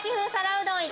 うどん１